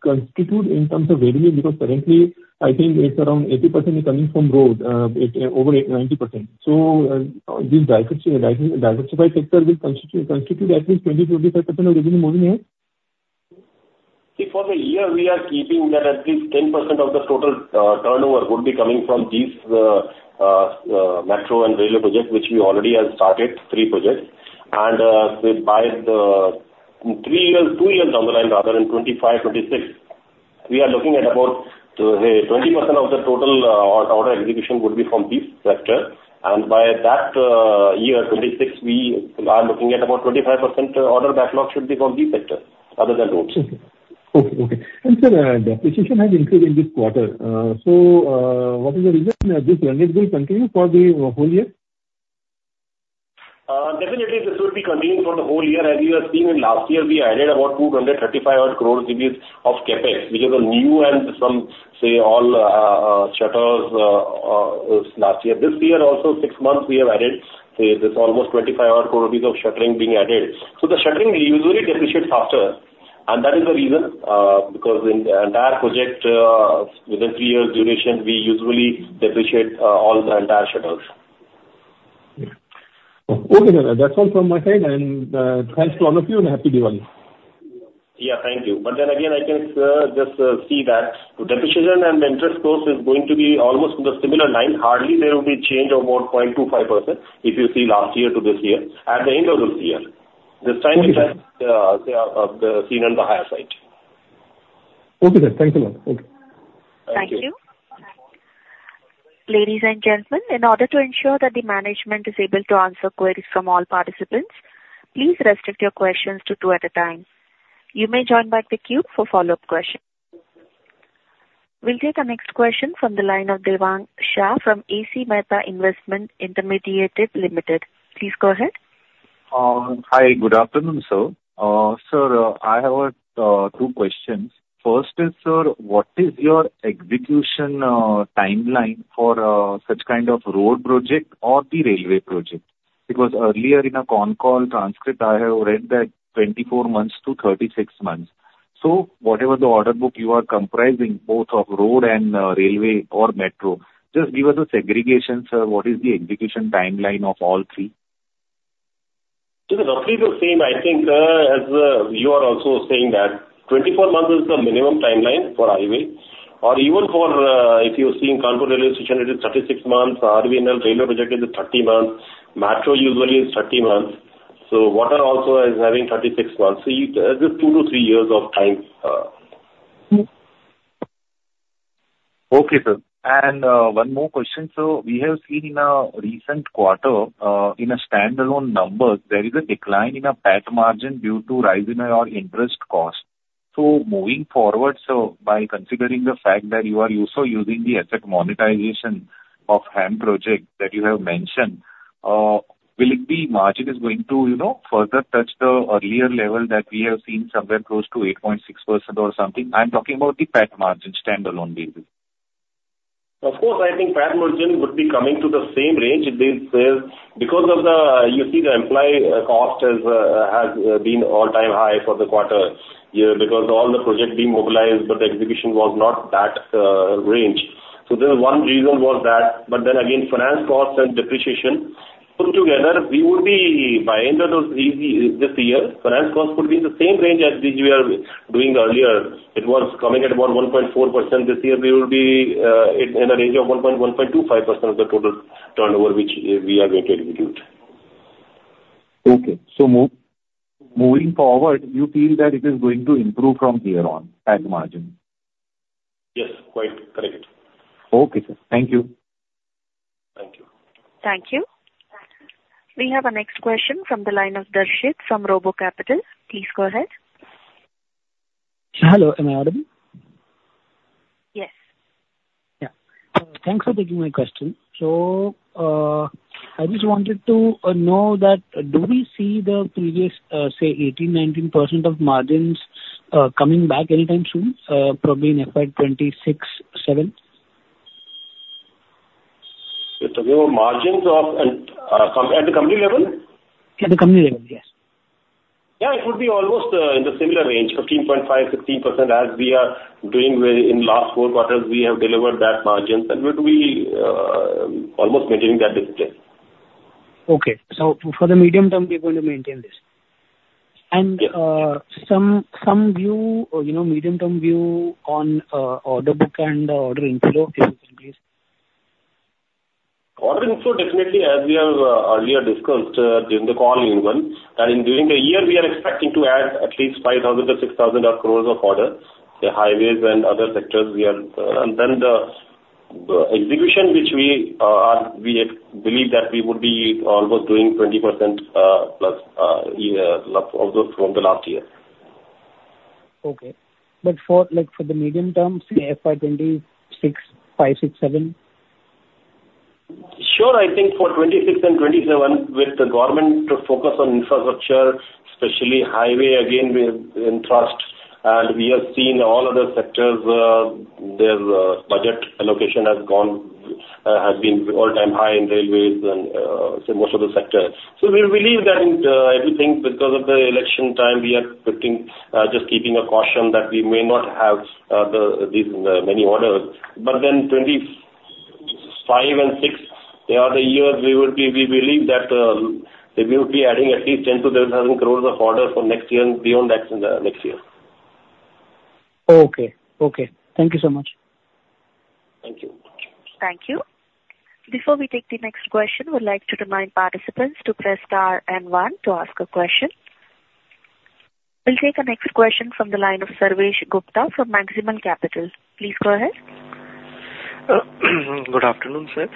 constitute in terms of revenue? Because currently, I think it's around 80% is coming from road, over 90%. So, this diversified sector will constitute at least 20-25% of revenue more than that? See, for the year, we are keeping that at least 10% of the total turnover would be coming from these metro and railway projects, which we already have started, three projects. And with by the, in three years, two years down the line, rather, in 2025, 2026, we are looking at about, say, 20% of the total order execution would be from this sector. And by that, year, 2026, we are looking at about 25% order backlog should be from this sector, other than roads. Okay. Okay. Sir, depreciation has increased in this quarter. So, what is the reason? This trend, it will continue for the whole year? Definitely this will be continuing for the whole year. As you have seen in last year, we added about 235 odd crore of CapEx, which are the new and some, say, all, shutters, last year. This year also, six months we have added, say, this almost 25 odd crore of shuttering being added. So the shuttering usually depreciate faster, and that is the reason, because in the entire project, within three years' duration, we usually depreciate, all the entire shutters. Okay. Okay, then. That's all from my side, and thanks to all of you, and Happy Diwali! Yeah, thank you. But then again, I can just see that depreciation and interest cost is going to be almost in the similar line. Hardly there will be change about 0.25%, if you see last year to this year, at the end of this year. This time- Okay. Say, seen on the higher side. Okay, then. Thank you, ma'am. Okay. Thank you. Ladies and gentlemen, in order to ensure that the management is able to answer queries from all participants, please restrict your questions to two at a time. You may join back the queue for follow-up questions. We'll take the next question from the line of Devang Shah from Asit C. Mehta Investment Intermediates Limited. Please go ahead. Hi, good afternoon, sir. Sir, I have two questions. First is, sir, what is your execution timeline for such kind of road project or the railway project? Because earlier in a con call transcript, I have read that 24-36 months. So whatever the order book you are comprising, both of road and railway or metro, just give us a segregation, sir. What is the execution timeline of all three? It is roughly the same, I think, as you are also saying that 24 months is the minimum timeline for highway, or even for seeing Kanpur railway station, it is 36 months. RVNL railway project is 30 months. Metro usually is 30 months. So water also is having 36 months. So you just 2-3 years of time. Okay, sir. And one more question. So we have seen in a recent quarter, in a standalone numbers, there is a decline in a PAT margin due to rise in your interest cost. So moving forward, so by considering the fact that you are also using the asset monetization of HAM project that you have mentioned, will it be margin is going to, you know, further touch the earlier level that we have seen somewhere close to 8.6% or something? I'm talking about the PAT margin, standalone basis. Of course, I think PAT margin would be coming to the same range. It is, because of the you see, the employee cost is has been all-time high for the quarter year, because all the projects being mobilized, but the execution was not that range. So there is one reason was that, but then again, finance costs and depreciation put together, we would be by end of this year, finance costs could be in the same range as which we are doing earlier. It was coming at about 1.4%. This year we will be at, in a range of 1-1.25% of the total turnover, which we are going to execute. Okay. So moving forward, you feel that it is going to improve from here on, PAT margin? Yes, quite correct. Okay, sir. Thank you. Thank you. Thank you. We have our next question from the line of Darshit from Robo Capital. Please go ahead. Hello, am I audible? Yes. Yeah. Thanks for taking my question. So, I just wanted to know that do we see the previous, say, 18%-19% of margins, coming back anytime soon, probably in FY 2026-2027? The margins of, at the company level? At the company level, yes. Yeah, it would be almost in the similar range, 15.5%-16% as we are doing within the last 4 quarters. We have delivered that margins, and we're to be almost maintaining that discipline. Okay. For the medium term, we're going to maintain this. Yes. Some view, or you know, medium-term view on order book and order inflow, can you please? Order inflow, definitely, as we have, earlier discussed, during the call in one, and during the year, we are expecting to add at least 5,000-6,000 crore of orders, the highways and other sectors we are... And then the, the execution, which we, are, we believe that we would be almost doing 20% plus, year, plus also from the last year. Okay. For the medium term, say, FY 2026, 2025, 2027? Sure, I think for 2026 and 2027, with the government to focus on infrastructure, especially highway, again, with interest, and we have seen all other sectors, their budget allocation has gone, has been all-time high in railways and, so most of the sectors. So we believe that, everything because of the election time, we are putting, just keeping a caution that we may not have, the, these, many orders. But then 2025 and 2026, they are the years we would be, we believe that, that we will be adding at least 10,000-12,000 crore of orders for next year and beyond that, next year. Okay. Okay. Thank you so much. Thank you. Thank you. Before we take the next question, I would like to remind participants to press Star and One to ask a question. We'll take the next question from the line of Sarvesh Gupta from Maximal Capital. Please go ahead. Good afternoon, sir.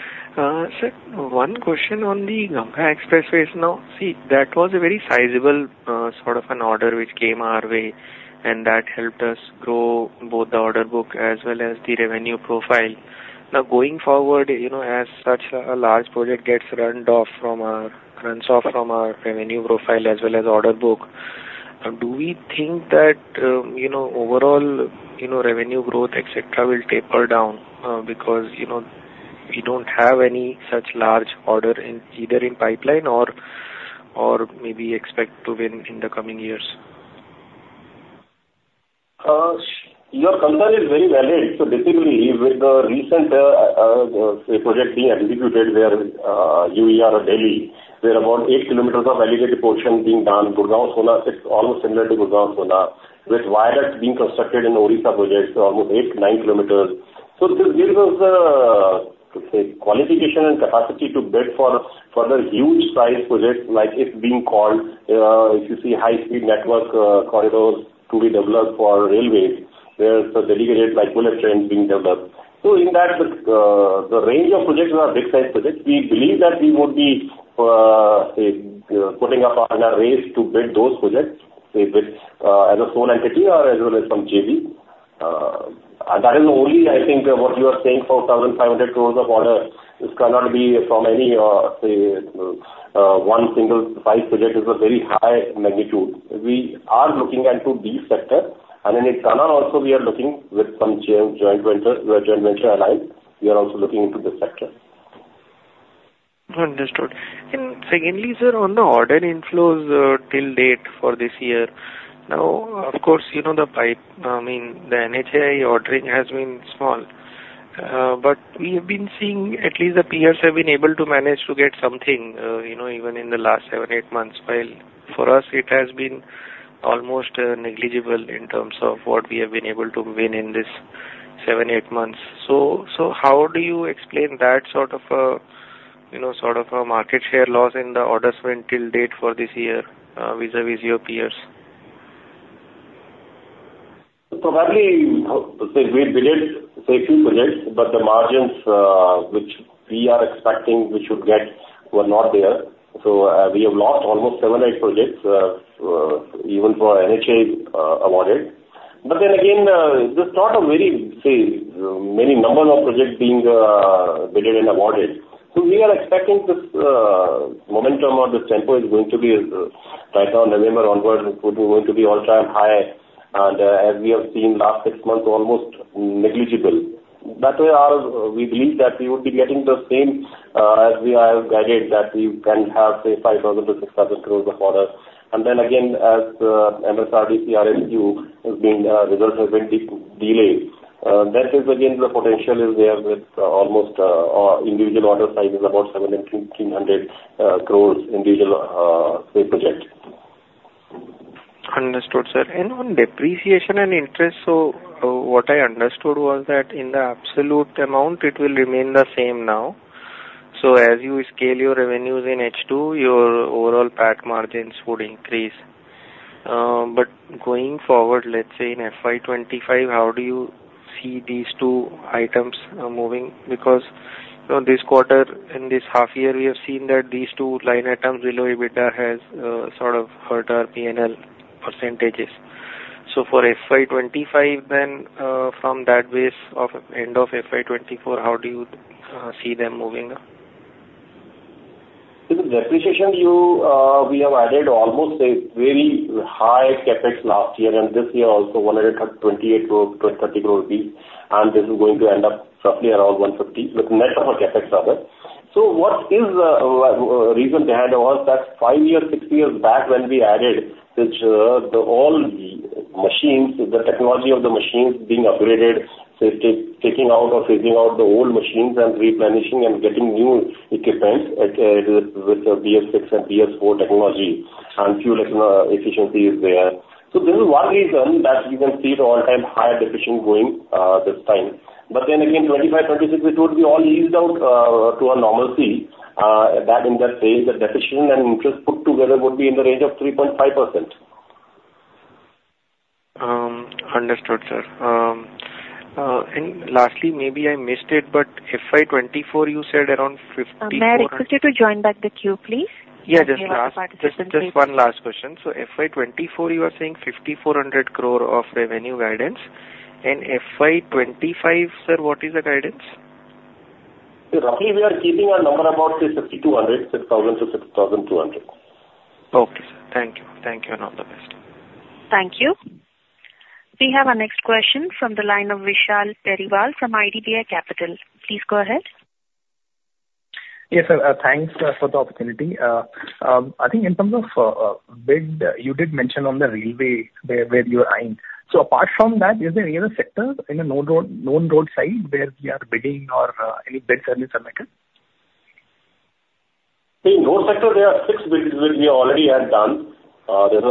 Sir, one question on the Ganga Expressway. Now, see, that was a very sizable sort of an order which came our way, and that helped us grow both the order book as well as the revenue profile. Now, going forward, you know, as such a large project runs off from our revenue profile as well as order book, do we think that, you know, overall, you know, revenue growth, et cetera, will taper down? Because, you know, we don't have any such large order in either in pipeline or maybe expect to win in the coming years. Your concern is very valid. So basically, with the recent, say, project being executed where, UER or Delhi, where about 8 kilometers of elevated portion being done, Gurugram, Sohna, it's almost similar to Gurugram, Sohna, with viaducts being constructed in Odisha projects, so almost 8-9 kilometers. So, so this was, to say, qualification and capacity to bid for, for the huge size projects like it's being called, if you see high-speed network, corridors to be developed for railways, there's a dedicated bullet train being developed. So in that, the range of projects are big-size projects, we believe that we would be, say, putting up on a race to build those projects, say, bid, as a sole entity or as well as from JV. That is only, I think, what you are saying, 4,500 crore of order. This cannot be from any, say, one single size project is a very high magnitude. We are looking into these sectors, and then it cannot also we are looking with some joint, joint venture, joint venture allies. We are also looking into this sector. Understood. And secondly, sir, on the order inflows till date for this year. Now, of course, you know, the pipeline, I mean, the NHAI ordering has been small, but we have been seeing at least the peers have been able to manage to get something, you know, even in the last seven-eight months, while for us, it has been almost negligible in terms of what we have been able to win in this seven-eight months. So, how do you explain that sort of a, you know, sort of a market share loss in the orders till date for this year, vis-a-vis your peers? Probably, we did, say, few projects, but the margins, which we are expecting we should get were not there. We have lost almost 7-8 projects, even for NHAI, awarded. Again, it's not a very, say, many number of projects being bidded and awarded. We are expecting this momentum or this tempo is going to be, right now, November onwards, it would be going to be all-time high, and as we have seen last six months, almost negligible. That way, we believe that we would be getting the same, as we have guided, that we can have, say, 5,000-6,000 crore of orders. Then again, as MSRDC RFQ results have been delayed, that is again, the potential is there with almost our individual order size is about 1,700-1,800 crore individual, say, project. Understood, sir. On depreciation and interest, so, what I understood was that in the absolute amount, it will remain the same now. So as you scale your revenues in H2, your overall PAT margins would increase. But going forward, let's say in FY 25, how do you see these two items moving? Because, you know, this quarter, in this half year, we have seen that these two line items below EBITDA has sort of hurt our P&L percentages. So for FY 25, then, from that base of end of FY 24, how do you see them moving? The depreciation, we have added almost a very high CapEx last year, and this year also, 128 crore, 20-30 crore rupees, and this is going to end up roughly around 150, with net of CapEx rather. So what is reason behind was that five years, six years back, when we added which, the all machines, the technology of the machines being upgraded. So taking out or phasing out the old machines and replenishing and getting new equipment, like, with, with the BS6 and BS4 technology, and fuel economy efficiency is there. So this is one reason that you can see the all-time high depreciation going, this time. But then again, 25, 26, it would be all eased out, to a normalcy, that in that phase, the depreciation and interest put together would be in the range of 3.5%. Understood, sir. And lastly, maybe I missed it, but FY 2024, you said around 50- May I request you to join back the queue, please? Yeah, just last- We have a participant waiting. Just one last question. So FY 2024, you are saying 5,400 crore of revenue guidance, and FY 2025, sir, what is the guidance? Roughly, we are keeping our number about, say, 5,200, 6,000-6,200. Okay, sir. Thank you. Thank you, and all the best. Thank you. We have our next question from the line of Vishal Periwal from IDBI Capital. Please go ahead. Yes, sir, thanks for the opportunity. I think in terms of bid, you did mention on the railway where you are eyeing. So apart from that, is there any other sector in the known road, known road side where we are bidding or any bids are in the circuit? In road sector, there are six bids which we already have done. There is,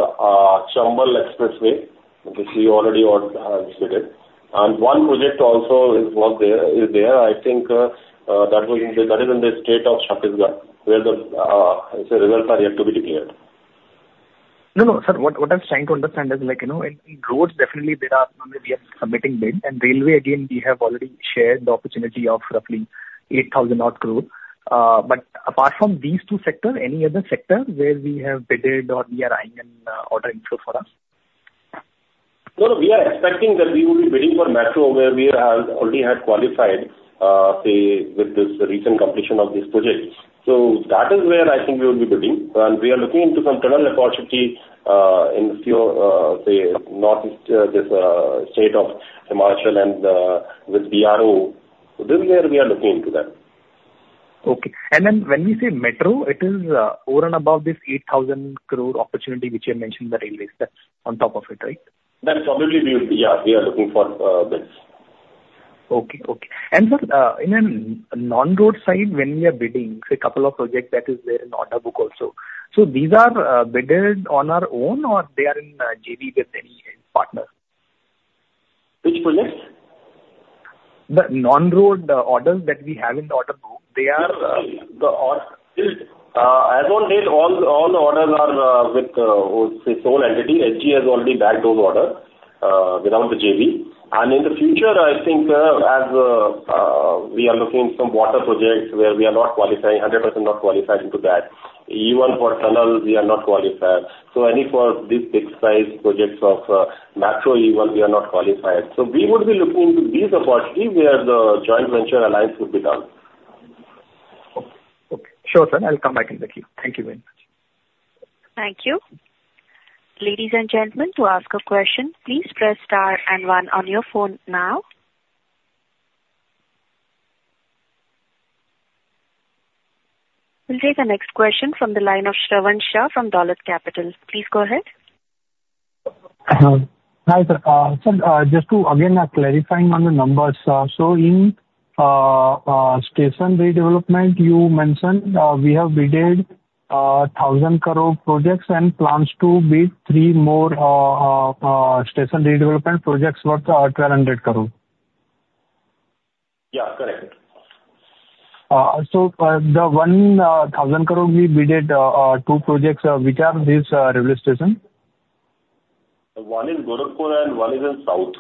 Chambal Expressway, which we already award, bidded. And one project also is, was there, is there, I think, that was in the, that is in the state of Chhattisgarh, where the, its results are yet to be declared. No, no, sir. What, what I'm trying to understand is like, you know, in roads, definitely there are number we are submitting bid, and railway, again, we have already shared the opportunity of roughly 8,000 crore. But apart from these two sectors, any other sector where we have bidded or we are eyeing an order inflow for us? No, no, we are expecting that we will be bidding for metro, where we have already have qualified, say, with this recent completion of this project. So that is where I think we will be bidding. And we are looking into some tunnel opportunity, in few, say, northeast, this, state of Himachal and, with BRO. So this year, we are looking into that. Okay. And then when we say metro, it is over and above this 8,000 crore opportunity, which I mentioned, the railways, that's on top of it, right? That is absolutely. Yeah, we are looking for bids. Okay, okay. And sir, in a non-road side, when we are bidding, say, a couple of projects that is there in order book also. So these are, bidded on our own or they are in, JV with any partner? Which project? The non-road orders that we have in the order book, they are, the or- As of now, all, all the orders are with its own entity. HG has already bagged those orders without the JV. And in the future, I think, as we are looking some water projects where we are not qualifying, 100% not qualifying to that. Even for tunnels, we are not qualified. So any for these big size projects of metro even, we are not qualified. So we would be looking into these opportunity where the joint venture alliance would be done. Okay. Sure, sir, I'll come back in the queue. Thank you very much. Thank you. Ladies and gentlemen, to ask a question, please press star and one on your phone now. We'll take the next question from the line of Shravan Shah from Dolat Capital. Please go ahead.... Hi, sir. So, just to again clarifying on the numbers. So in station redevelopment, you mentioned we have bidded 1,000 crore projects and plans to bid three more station redevelopment projects worth 1,200 crore. Yeah, correct. So, the 1,000 crore we bidded, two projects, which are these, railway station? One is Gorakhpur and one is in South.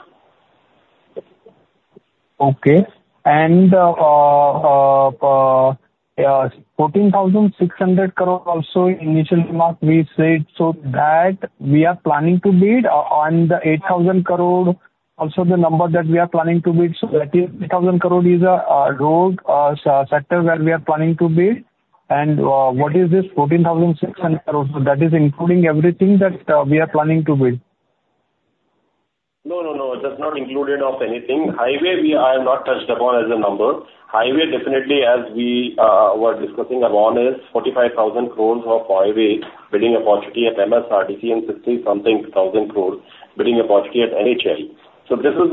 Okay. Fourteen thousand six hundred crore also in initial mark, we said, so that we are planning to bid on the 8,000 crore. Also, the number that we are planning to bid, so that is 8,000 crore is a road so sector where we are planning to bid. What is this 14,600 crore? That is including everything that we are planning to bid. No, no, no. That's not included of anything. Highway, we, I have not touched upon as a number. Highway, definitely, as we were discussing upon, is 45,000 crore of highway bidding opportunity at MSRDC, and 60-something thousand crore bidding opportunity at NHAI. So this is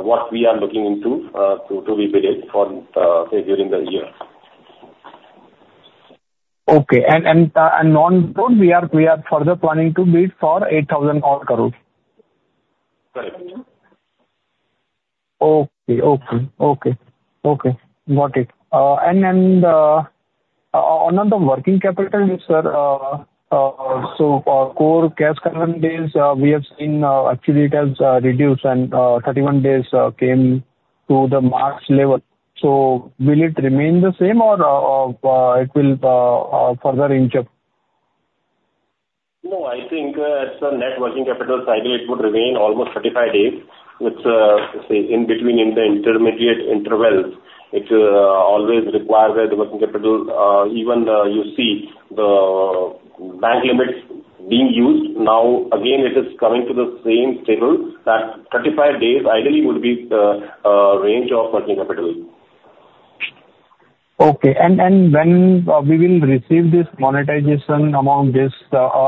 what we are looking into, to be bidded for, say, during the year. Okay. And on road, we are further planning to bid for 8,000-odd crore? Right. Okay. Okay, okay. Okay, got it. And, on the working capital, sir, so our core cash current days, we have seen, actually it has reduced and, 31 days, came to the max level. So will it remain the same or, it will further inch up? No, I think, as the net working capital cycle, it would remain almost 35 days, which, say, in between, in the intermediate intervals, it, always requires the working capital. Even, you see the bank limits being used. Now, again, it is coming to the same stable, that 35 days ideally would be the, range of working capital. Okay. And when we will receive this monetization among this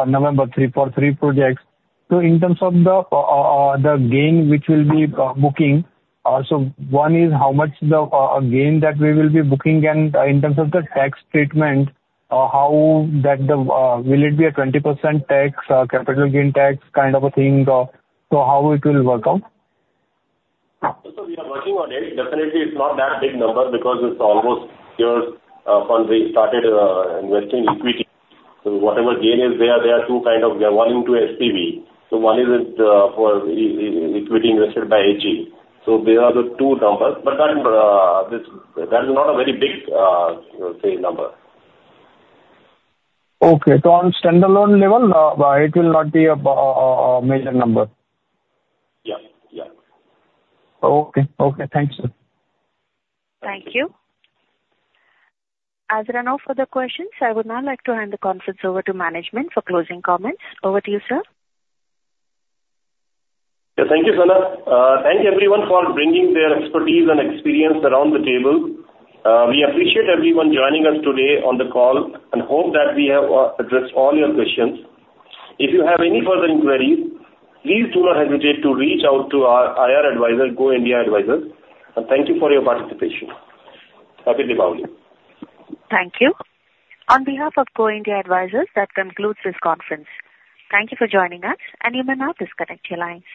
November 3 for 3 projects, so in terms of the gain which will be booking. So one is how much the gain that we will be booking, and in terms of the tax treatment, how that the... Will it be a 20% tax capital gain tax kind of a thing? So how it will work out? So we are working on it. Definitely, it's not that big number because it's almost years from we started investing equity. So whatever gain is there, there are two kind of one into SPV. So one is for equity invested by HG. So there are the two numbers, but that this that is not a very big say number. Okay. So on standalone level, it will not be a major number? Yeah. Yeah. Okay. Okay. Thanks, sir. Thank you. As there are no further questions, I would now like to hand the conference over to management for closing comments. Over to you, sir. Yeah, thank you, Sana. Thank you everyone for bringing their expertise and experience around the table. We appreciate everyone joining us today on the call, and hope that we have addressed all your questions. If you have any further inquiries, please do not hesitate to reach out to our IR advisor, Go India Advisors, and thank you for your participation. Happy Diwali! Thank you. On behalf of Go India Advisors, that concludes this conference. Thank you for joining us, and you may now disconnect your lines.